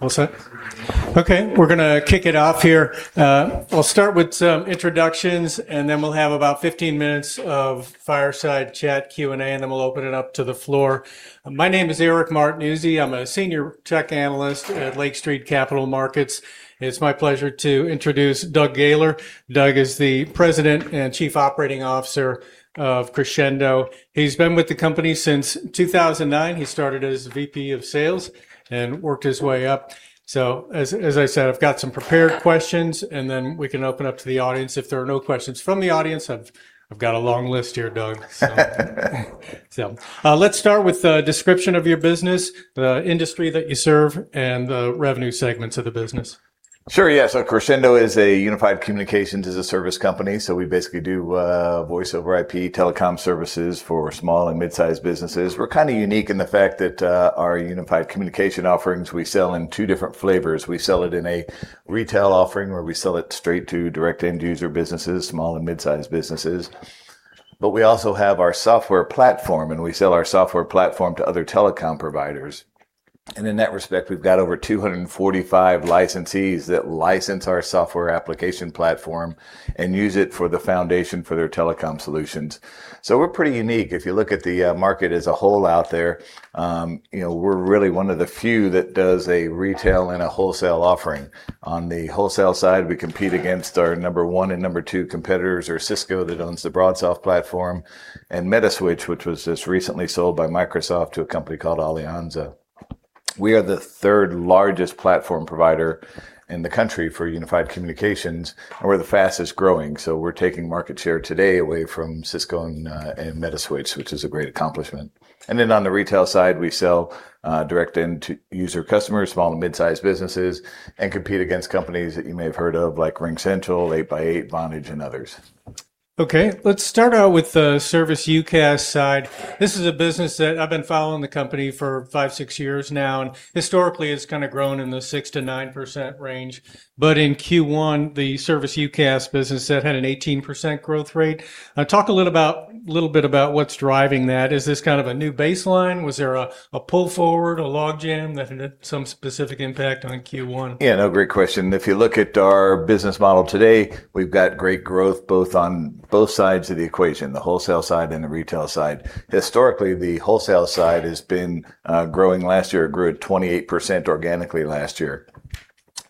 All set? Okay, we're going to kick it off here. We'll start with some introductions. We'll have about 15 minutes of fireside chat Q&A. We'll open it up to the floor. My name is Eric Martinuzzi. I'm a senior tech analyst at Lake Street Capital Markets. It's my pleasure to introduce Doug Gaylor. Doug is the President and Chief Operating Officer of Crexendo. He's been with the company since 2009. He started as VP of sales and worked his way up. As I said, I've got some prepared questions. We can open up to the audience. If there are no questions from the audience, I've got a long list here, Doug. Let's start with a description of your business, the industry that you serve, and the revenue segments of the business. Sure. Yeah. Crexendo is a Unified Communications as a Service company. We basically do Voice over IP telecom services for small and mid-sized businesses. We're kind of unique in the fact that our Unified Communication offerings, we sell in two different flavors. We sell it in a retail offering, where we sell it straight to direct end user businesses, small and mid-sized businesses. We also have our software platform, and we sell our software platform to other telecom providers. In that respect, we've got over 245 licensees that license our software application platform and use it for the foundation for their telecom solutions. We're pretty unique. If you look at the market as a whole out there, we're really one of the few that does a retail and a wholesale offering. On the wholesale side, we compete against our number one and number two competitors are Cisco, that owns the BroadSoft platform, and Metaswitch, which was just recently sold by Microsoft to a company called Alianza. We are the third-largest platform provider in the country for Unified Communications, and we're the fastest-growing. We're taking market share today away from Cisco and Metaswitch, which is a great accomplishment. On the retail side, we sell direct end to user customers, small and mid-sized businesses, and compete against companies that you may have heard of, like RingCentral, 8x8, Vonage, and others. Okay, let's start out with the Service UCaaS side. This is a business that I've been following the company for five, six years now. Historically, it's kind of grown in the 6%-9% range. In Q1, the Service UCaaS business had an 18% growth rate. Talk a little bit about what's driving that. Is this kind of a new baseline? Was there a pull forward, a log jam that had some specific impact on Q1? Great question. If you look at our business model today, we've got great growth both on both sides of the equation, the wholesale side and the retail side. Historically, the wholesale side has been growing. Last year, it grew at 28% organically last year.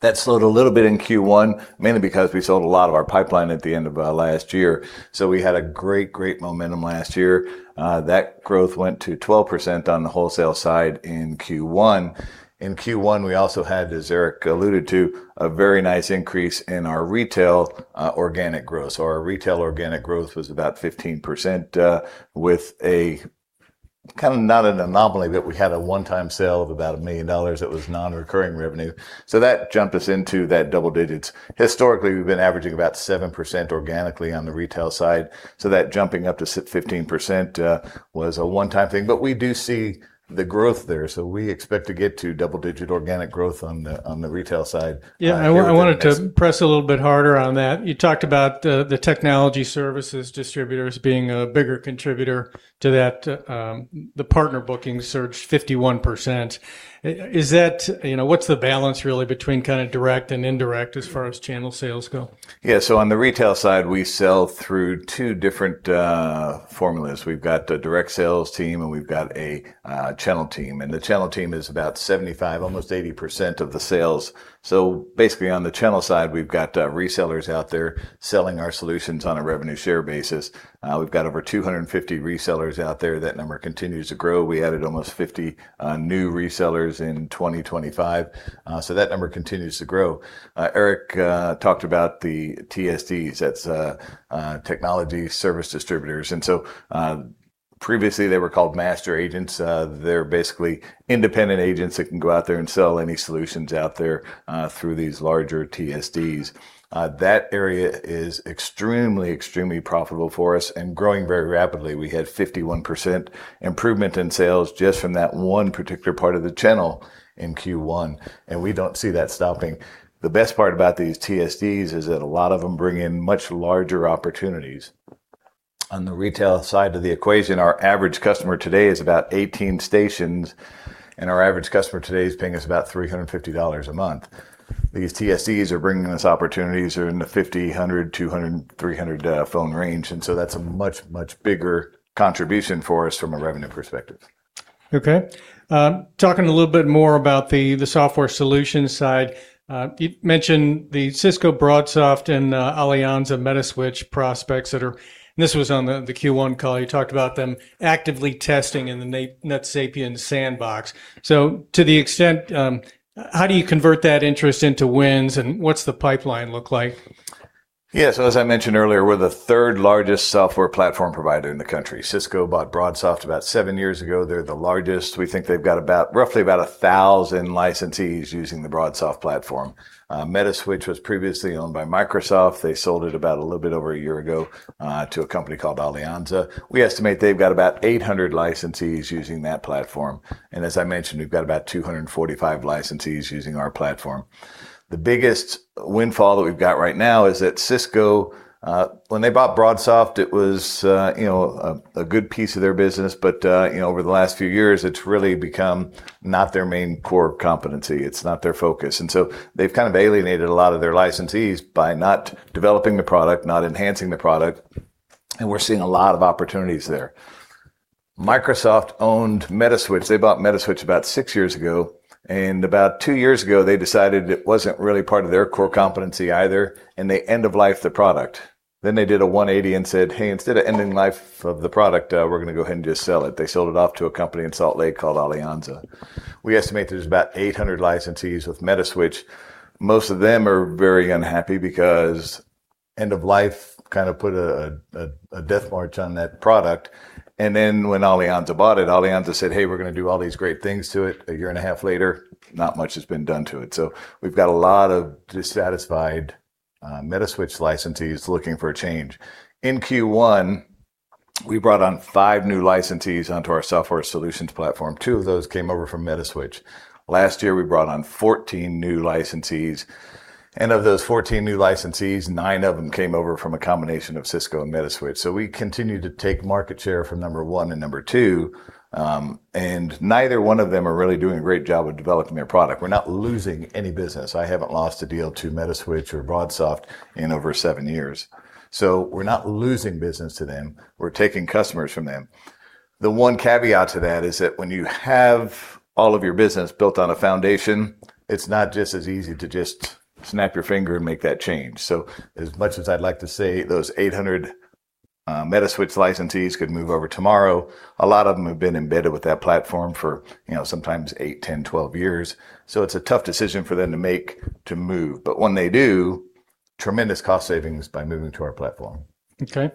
That slowed a little bit in Q1, mainly because we sold a lot of our pipeline at the end of last year. We had great momentum last year. That growth went to 12% on the wholesale side in Q1. In Q1, we also had, as Eric alluded to, a very nice increase in our retail organic growth. Our retail organic growth was about 15%, with a kind of not an anomaly, but we had a one-time sale of about $1 million that was non-recurring revenue. That jumped us into that double digits. Historically, we've been averaging about 7% organically on the retail side. That jumping up to 15% was a one-time thing. We do see the growth there, we expect to get to double-digit organic growth on the retail side here over the next. I wanted to press a little bit harder on that. You talked about the Technology Service Distributors being a bigger contributor to that. The partner bookings surged 51%. What's the balance really between kind of direct and indirect as far as channel sales go? On the retail side, we sell through two different formulas. We've got the direct sales team, we've got a channel team, the channel team is about 75, almost 80% of the sales. Basically, on the channel side, we've got resellers out there selling our solutions on a revenue share basis. We've got over 250 resellers out there. That number continues to grow. We added almost 50 new resellers in 2025. That number continues to grow. Eric talked about the TSDs. That's Technology Service Distributors. Previously, they were called master agents. They're basically independent agents that can go out there and sell any solutions out there through these larger TSDs. That area is extremely profitable for us and growing very rapidly. We had 51% improvement in sales just from that one particular part of the channel in Q1. We don't see that stopping. The best part about these TSDs is that a lot of them bring in much larger opportunities. On the retail side of the equation, our average customer today is about 18 stations. Our average customer today is paying us about $350 a month. These TSDs are bringing us opportunities that are in the 5,000, 200, 300 phone range. That's a much bigger contribution for us from a revenue perspective. Okay. Talking a little bit more about the software solution side. You mentioned the Cisco BroadSoft and Alianza Metaswitch. This was on the Q1 call. You talked about them actively testing in the NetSapiens sandbox. To the extent, how do you convert that interest into wins, and what's the pipeline look like? Yeah. As I mentioned earlier, we're the third-largest software platform provider in the country. Cisco bought BroadSoft about seven years ago. They're the largest. We think they've got roughly about 1,000 licensees using the BroadSoft platform. Metaswitch was previously owned by Microsoft. They sold it about a little bit over a year ago to a company called Alianza. We estimate they've got about 800 licensees using that platform. As I mentioned, we've got about 245 licensees using our platform. The biggest windfall that we've got right now is that Cisco, when they bought BroadSoft, it was a good piece of their business. Over the last few years, it's really become not their main core competency. It's not their focus. They've kind of alienated a lot of their licensees by not developing the product, not enhancing the product. We're seeing a lot of opportunities there. Microsoft owned Metaswitch. They bought Metaswitch about six years ago. About two years ago, they decided it wasn't really part of their core competency either. They end-of-lifed the product. They did a 180 and said, "Hey, instead of ending life of the product, we're going to go ahead and just sell it." They sold it off to a company in Salt Lake called Alianza. We estimate there's about 800 licensees with Metaswitch. Most of them are very unhappy because end-of-life kind of put a death march on that product. When Alianza bought it, Alianza said, "Hey, we're going to do all these great things to it." A year and a half later, not much has been done to it. We've got a lot of dissatisfied Metaswitch licensees looking for a change. In Q1, we brought on five new licensees onto our software solutions platform. Two of those came over from Metaswitch. Last year, we brought on 14 new licensees, and of those 14 new licensees, nine of them came over from a combination of Cisco and Metaswitch. We continue to take market share from number one and number two, and neither one of them are really doing a great job of developing their product. We're not losing any business. I haven't lost a deal to Metaswitch or BroadSoft in over seven years. We're not losing business to them. We're taking customers from them. The one caveat to that is that when you have all of your business built on a foundation, it's not just as easy to just snap your finger and make that change. As much as I'd like to say those 800 Metaswitch licensees could move over tomorrow, a lot of them have been embedded with that platform for sometimes 8, 10, 12 years. It's a tough decision for them to make to move. When they do, tremendous cost savings by moving to our platform. Okay.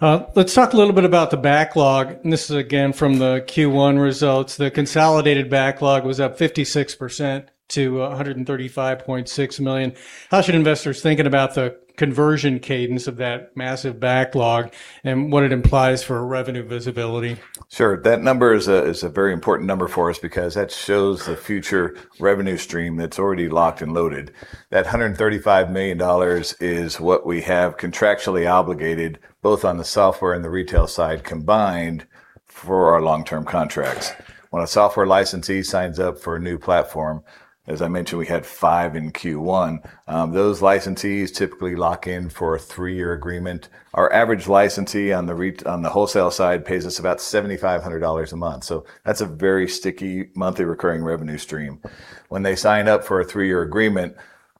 Let's talk a little bit about the backlog, and this is again from the Q1 results. The consolidated backlog was up 56% to $135.6 million. How should investors thinking about the conversion cadence of that massive backlog and what it implies for revenue visibility? Sure. That number is a very important number for us because that shows the future revenue stream that's already locked and loaded. That $135 million is what we have contractually obligated, both on the software and the retail side combined for our long-term contracts. When a software licensee signs up for a new platform, as I mentioned, we had five in Q1, those licensees typically lock in for a three-year agreement. Our average licensee on the wholesale side pays us about $7,500 a month. That's a very sticky monthly recurring revenue stream. When they sign up for a three-year agreement,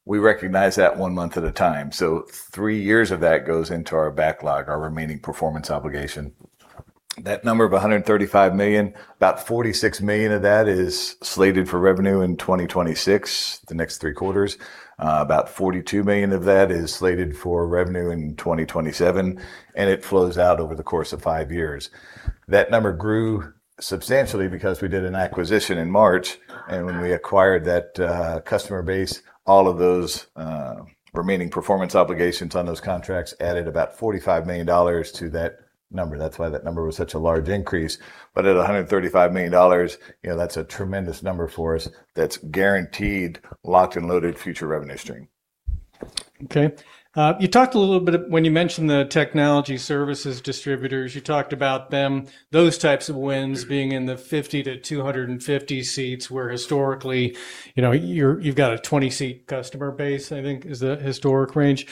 we recognize that one month at a time. Three years of that goes into our backlog, our remaining performance obligation. That number of $135 million, about $46 million of that is slated for revenue in 2026, the next three quarters. About $42 million of that is slated for revenue in 2027. It flows out over the course of five years. That number grew substantially because we did an acquisition in March. When we acquired that customer base, all of those remaining performance obligations on those contracts added about $45 million to that number. That's why that number was such a large increase. At $135 million, that's a tremendous number for us that's guaranteed, locked and loaded future revenue stream. Okay. When you mentioned the Technology Service Distributors, you talked about those types of wins being in the 50 to 250 seats, where historically you've got a 20-seat customer base, I think is the historic range.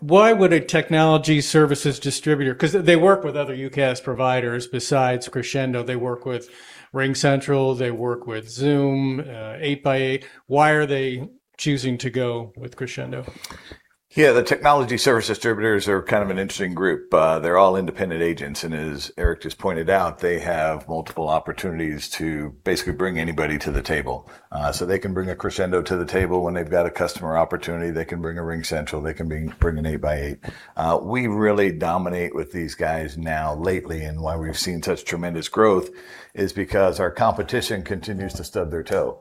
Why would a Technology Service Distributor? Because they work with other UCaaS providers besides Crexendo. They work with RingCentral. They work with Zoom, 8x8. Why are they choosing to go with Crexendo? Yeah. The Technology Service Distributors are kind of an interesting group. They're all independent agents. As Eric just pointed out, they have multiple opportunities to basically bring anybody to the table. They can bring a Crexendo to the table when they've got a customer opportunity. They can bring a RingCentral. They can bring an 8x8. We really dominate with these guys now lately. Why we've seen such tremendous growth is because our competition continues to stub their toe.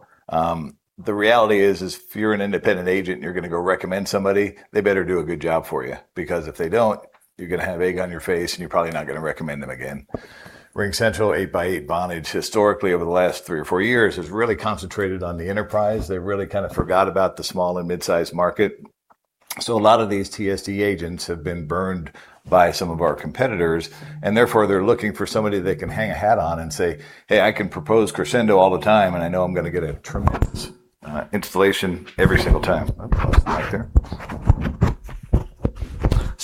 The reality is, if you're an independent agent, you're going to go recommend somebody, they better do a good job for you because if they don't, you're going to have egg on your face, and you're probably not going to recommend them again. RingCentral, 8x8, Vonage, historically over the last three or four years, has really concentrated on the enterprise. They really kind of forgot about the small and midsize market. A lot of these TSD agents have been burned by some of our competitors. Therefore they're looking for somebody they can hang a hat on and say, "Hey, I can propose Crexendo all the time, and I know I'm going to get a tremendous installation every single time." I'll pause it right there.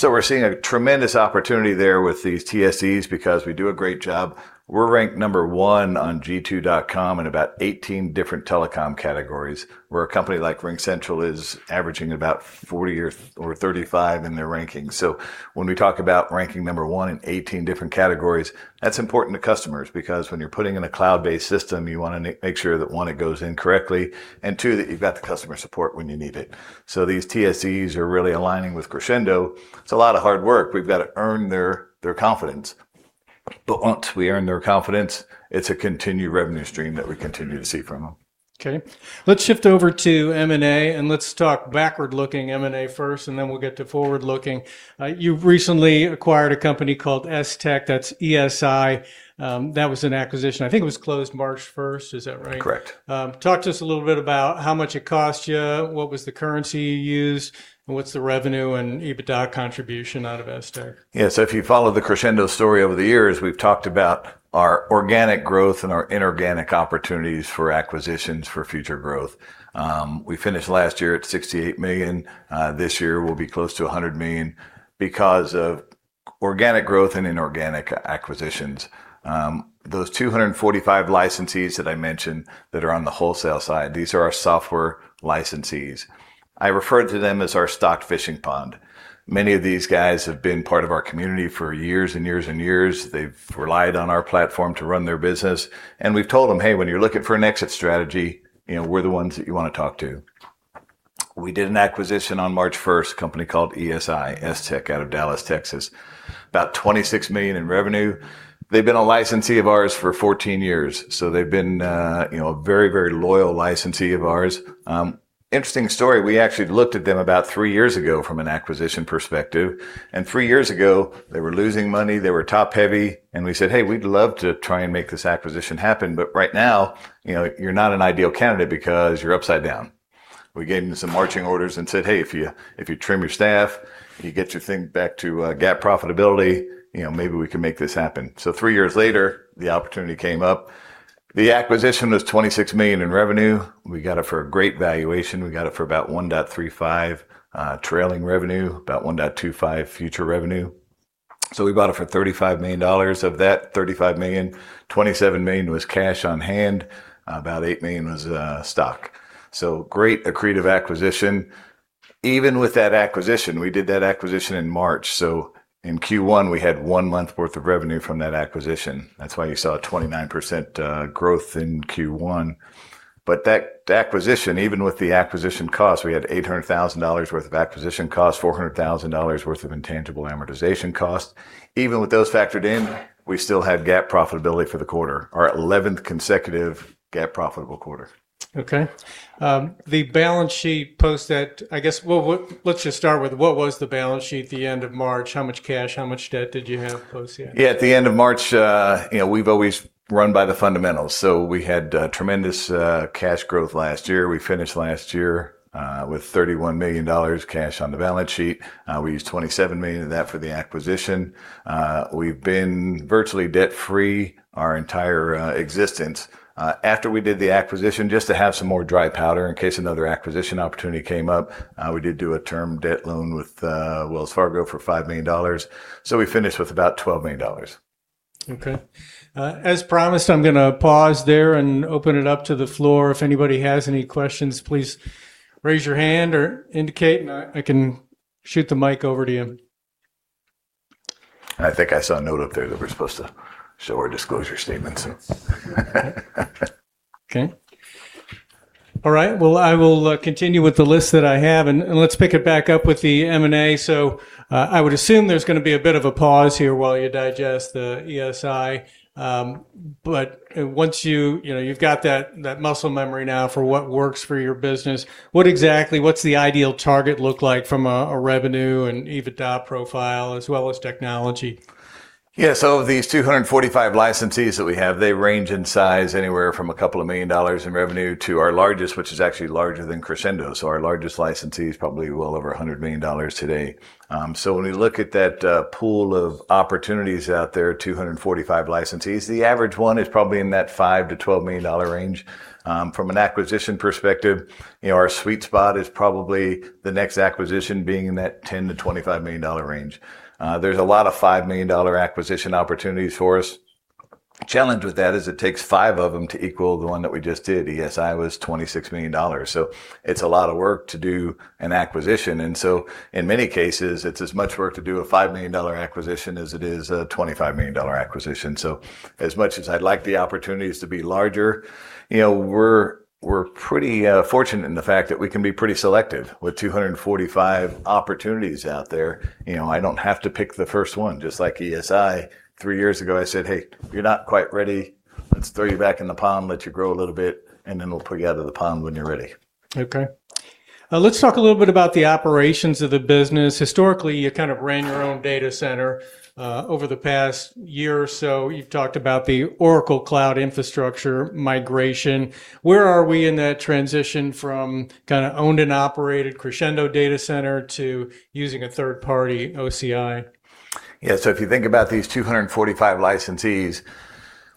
We're seeing a tremendous opportunity there with these TSDs because we do a great job. We're ranked number one on g2.com in about 18 different telecom categories, where a company like RingCentral is averaging about 40 or 35 in their ranking. When we talk about ranking number one in 18 different categories, that's important to customers because when you're putting in a cloud-based system, you want to make sure that, one, it goes in correctly, and two, that you've got the customer support when you need it. These TSDs are really aligning with Crexendo. It's a lot of hard work. We've got to earn their confidence. Once we earn their confidence, it's a continued revenue stream that we continue to see from them. Okay. Let's shift over to M&A, and let's talk backward-looking M&A first, and then we'll get to forward-looking. You've recently acquired a company called Estech. That's ESI. That was an acquisition. I think it was closed March 1st. Is that right? Correct. Talk to us a little bit about how much it cost you, what was the currency you used, and what's the revenue and EBITDA contribution out of Estech? Yeah. If you follow the Crexendo story over the years, we've talked about our organic growth and our inorganic opportunities for acquisitions for future growth. We finished last year at $68 million. This year, we'll be close to $100 million because of organic growth and inorganic acquisitions. Those 245 licensees that I mentioned that are on the wholesale side, these are our software licensees. I refer to them as our stock fishing pond. Many of these guys have been part of our community for years and years and years. They've relied on our platform to run their business, and we've told them, "Hey, when you're looking for an exit strategy, we're the ones that you want to talk to." We did an acquisition on March 1st, a company called ESI Estech, out of Dallas, Texas. About $26 million in revenue. They've been a licensee of ours for 14 years. They've been a very loyal licensee of ours. Interesting story, we actually looked at them about three years ago from an acquisition perspective. Three years ago, they were losing money, they were top-heavy, and we said, "Hey, we'd love to try and make this acquisition happen. Right now, you're not an ideal candidate because you're upside down." We gave them some marching orders and said, "Hey, if you trim your staff, if you get your thing back to GAAP profitability, maybe we can make this happen." Three years later, the opportunity came up. The acquisition was $26 million in revenue. We got it for a great valuation. We got it for about 1.35x trailing revenue, about 1.25x future revenue. We bought it for $35 million. Of that $35 million, $27 million was cash on hand. $8 million was stock. Great accretive acquisition. Even with that acquisition, we did that acquisition in March. In Q1, we had one month worth of revenue from that acquisition. That's why you saw a 29% growth in Q1. That acquisition, even with the acquisition cost, we had $800,000 worth of acquisition cost, $400,000 worth of intangible amortization cost. Even with those factored in, we still had GAAP profitability for the quarter, our 11th consecutive GAAP profitable quarter. Okay. The balance sheet post that, let's just start with what was the balance sheet at the end of March? How much cash, how much debt did you have post the acquisition? Yeah, at the end of March, we've always run by the fundamentals. We had tremendous cash growth last year. We finished last year with $31 million cash on the balance sheet. We used $27 million of that for the acquisition. We've been virtually debt-free our entire existence. After we did the acquisition, just to have some more dry powder in case another acquisition opportunity came up, we did do a term debt loan with Wells Fargo for $5 million. We finished with about $12 million. Okay. As promised, I'm going to pause there and open it up to the floor. If anybody has any questions, please raise your hand or indicate, and I can shoot the mic over to you. I think I saw a note up there that we're supposed to show our disclosure statement. Okay. All right. I will continue with the list that I have. Let's pick it back up with the M&A. I would assume there's going to be a bit of a pause here while you digest the ESI. Once you've got that muscle memory now for what works for your business, what exactly, what's the ideal target look like from a revenue and EBITDA profile, as well as technology? Yeah. These 245 licensees that we have, they range in size anywhere from a couple of million dollars in revenue to our largest, which is actually larger than Crexendo. Our largest licensee is probably well over $100 million today. When we look at that pool of opportunities out there, 245 licensees, the average one is probably in that $5 million-$12 million range. From an acquisition perspective, our sweet spot is probably the next acquisition being in that $10 million-$25 million range. There's a lot of $5 million acquisition opportunities for us. Challenge with that is it takes five of them to equal the one that we just did. ESI was $26 million. It's a lot of work to do an acquisition. In many cases, it's as much work to do a $5 million acquisition as it is a $25 million acquisition. As much as I'd like the opportunities to be larger, we're pretty fortunate in the fact that we can be pretty selective with 245 opportunities out there. I don't have to pick the first one. Just like ESI, three years ago, I said, "Hey, you're not quite ready. Let's throw you back in the pond, let you grow a little bit, and then we'll pull you out of the pond when you're ready. Okay. Let's talk a little bit about the operations of the business. Historically, you kind of ran your own data center. Over the past year or so, you've talked about the Oracle Cloud Infrastructure migration. Where are we in that transition from kind of owned and operated Crexendo data center to using a third-party OCI? Yeah. If you think about these 245 licensees,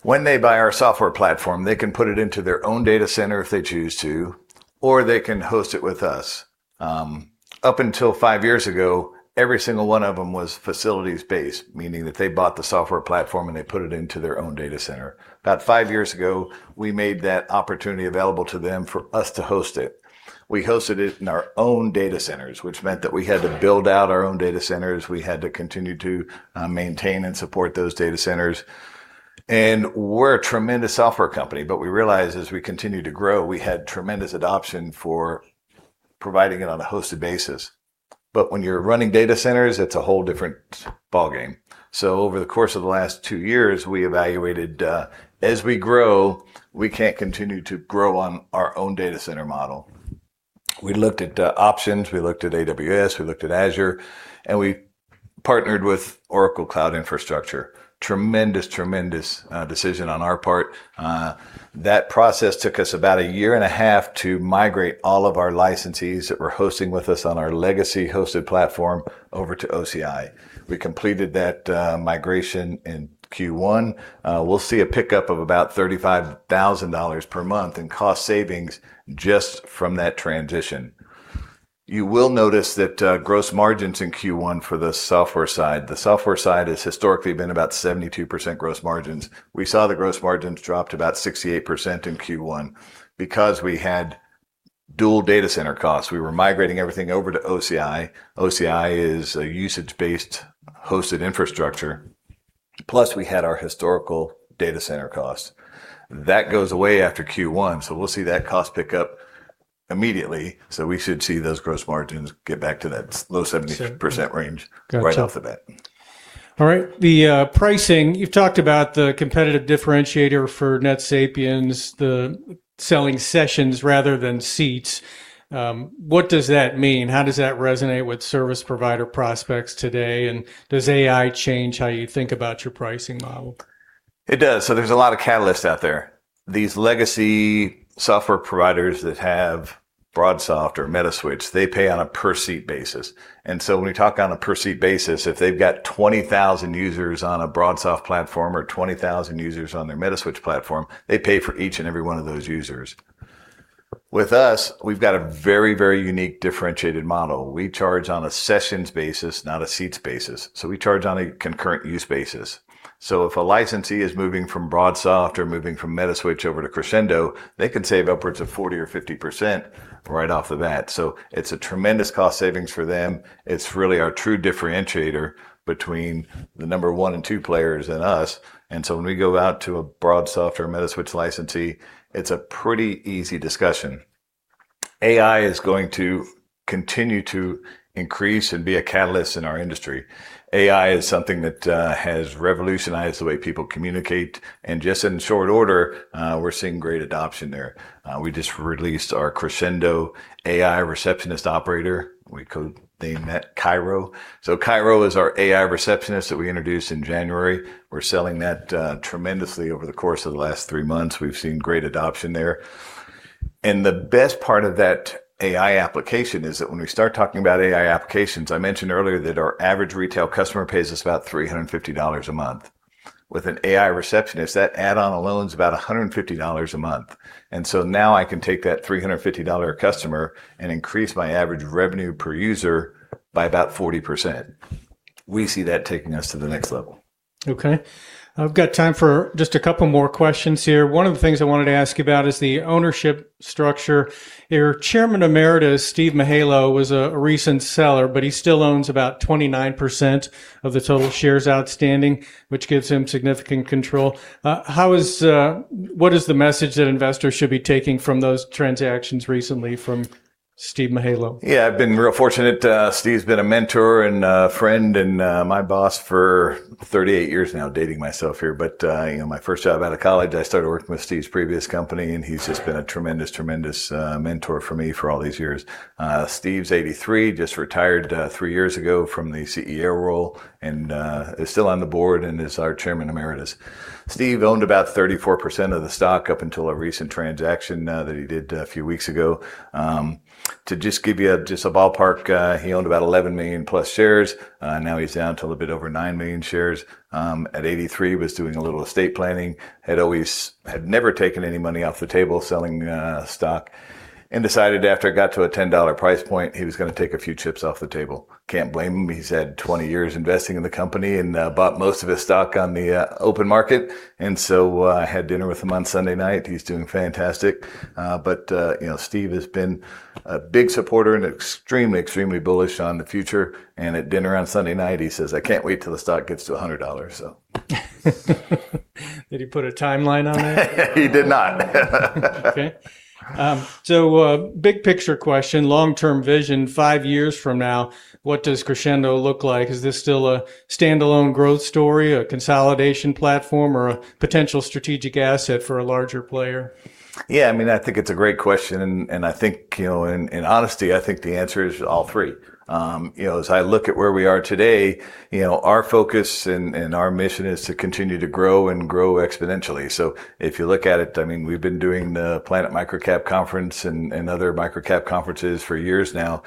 when they buy our software platform, they can put it into their own data center if they choose to, or they can host it with us. Up until five years ago, every single one of them was facilities-based, meaning that they bought the software platform, and they put it into their own data center. About five years ago, we made that opportunity available to them for us to host it. We hosted it in our own data centers, which meant that we had to build out our own data centers, we had to continue to maintain and support those data centers. We're a tremendous software company, but we realized as we continued to grow, we had tremendous adoption for Providing it on a hosted basis. When you're running data centers, it's a whole different ballgame. Over the course of the last two years, we evaluated, as we grow, we can't continue to grow on our own data center model. We looked at options, we looked at AWS, we looked at Azure, and we partnered with Oracle Cloud Infrastructure. Tremendous decision on our part. That process took us about a year and a half to migrate all of our licensees that were hosting with us on our legacy hosted platform over to OCI. We completed that migration in Q1. We'll see a pickup of about $35,000 per month in cost savings just from that transition. You will notice that gross margins in Q1 for the software side, the software side has historically been about 72% gross margins. We saw the gross margins drop to about 68% in Q1 because we had dual data center costs. We were migrating everything over to OCI. OCI is a usage-based hosted infrastructure. We had our historical data center costs. That goes away after Q1, we'll see that cost pick up immediately. We should see those gross margins get back to that low 70% range right off the bat. All right. The pricing, you've talked about the competitive differentiator for NetSapiens, the selling sessions rather than seats. What does that mean? How does that resonate with service provider prospects today? Does AI change how you think about your pricing model? It does. There's a lot of catalysts out there. These legacy software providers that have BroadSoft or Metaswitch, they pay on a per seat basis. When we talk on a per seat basis, if they've got 20,000 users on a BroadSoft platform or 20,000 users on their Metaswitch platform, they pay for each and every one of those users. With us, we've got a very unique differentiated model. We charge on a sessions basis, not a seats basis. We charge on a concurrent use basis. If a licensee is moving from BroadSoft or moving from Metaswitch over to Crexendo, they can save upwards of 40% or 50% right off the bat. It's a tremendous cost savings for them. It's really our true differentiator between the number one and two players and us. When we go out to a BroadSoft or Metaswitch licensee, it's a pretty easy discussion. AI is going to continue to increase and be a catalyst in our industry. AI is something that has revolutionized the way people communicate. Just in short order, we're seeing great adoption there. We just released our Crexendo AI receptionist operator. We code-named that Cairo. Cairo is our AI receptionist that we introduced in January. We're selling that tremendously over the course of the last three months. We've seen great adoption there. The best part of that AI application is that when we start talking about AI applications, I mentioned earlier that our average retail customer pays us about $350 a month. With an AI receptionist, that add-on alone is about $150 a month. I can take that $350 customer and increase my average revenue per user by about 40%. We see that taking us to the next level. Okay. I've got time for just a couple more questions here. One of the things I wanted to ask you about is the ownership structure. Your Chairman Emeritus, Steve Mihaylo, was a recent seller, but he still owns about 29% of the total shares outstanding, which gives him significant control. What is the message that investors should be taking from those transactions recently from Steve Mihaylo? Yeah. I've been real fortunate. Steve's been a mentor and a friend and my boss for 38 years now, dating myself here. My first job out of college, I started working with Steve's previous company, and he's just been a tremendous mentor for me for all these years. Steve's 83, just retired three years ago from the CEO role, and is still on the board and is our Chairman Emeritus. Steve owned about 34% of the stock up until a recent transaction that he did a few weeks ago. To just give you just a ballpark, he owned about 11 million plus shares. Now he's down to a bit over 9 million shares. At 83, was doing a little estate planning. Had never taken any money off the table selling stock, decided after it got to a $10 price point, he was going to take a few chips off the table. Can't blame him. He's had 20 years investing in the company and bought most of his stock on the open market. I had dinner with him on Sunday night. He's doing fantastic. Steve has been a big supporter and extremely bullish on the future. At dinner on Sunday night, he says, "I can't wait till the stock gets to $100. Did he put a timeline on that? He did not. Okay. Big picture question, long-term vision, five years from now, what does Crexendo look like? Is this still a standalone growth story, a consolidation platform, or a potential strategic asset for a larger player? Yeah, I think it's a great question, and I think in honesty, I think the answer is all three. As I look at where we are today, our focus and our mission is to continue to grow and grow exponentially. If you look at it, we've been doing the Planet MicroCap conference and other MicroCap conferences for years now.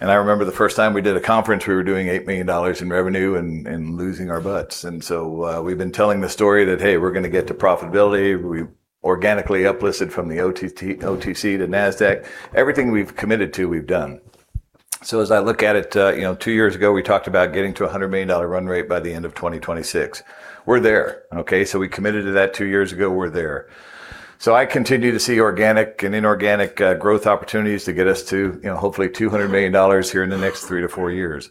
I remember the first time we did a conference, we were doing $8 million in revenue and losing our butts. We've been telling the story that, hey, we're going to get to profitability. We organically up-listed from the OTC to Nasdaq. Everything we've committed to, we've done. As I look at it, two years ago, we talked about getting to a $100 million run rate by the end of 2026. We're there. Okay? We committed to that two years ago. We're there. I continue to see organic and inorganic growth opportunities to get us to hopefully $200 million here in the next three to four years.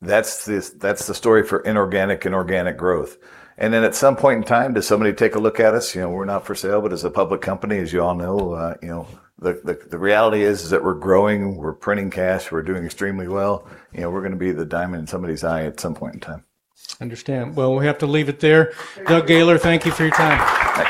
That's the story for inorganic and organic growth. At some point in time, does somebody take a look at us? We're not for sale, but as a public company, as you all know, the reality is that we're growing, we're printing cash, we're doing extremely well. We're going to be the diamond in somebody's eye at some point in time. Understand. Well, we have to leave it there. Doug Gaylor, thank you for your time.